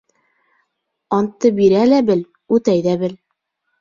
Антты бирә лә бел, үтәй ҙә бел.